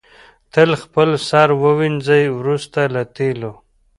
تل خپل سر ووینځئ وروسته له تېلو.